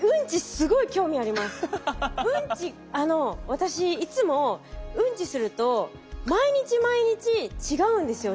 私いつもウンチすると毎日毎日違うんですよ状態が。